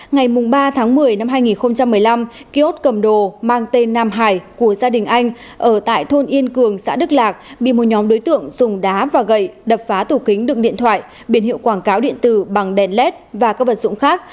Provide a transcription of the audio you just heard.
ngày ba tháng một mươi năm hai nghìn một mươi năm kiosk cầm đồ mang tên nam hải của gia đình anh ở tại thôn yên cường xã đức lạc bị một nhóm đối tượng dùng đá và gậy đập phá tủ kính đựng điện thoại biển hiệu quảng cáo điện tử bằng đèn led và các vật dụng khác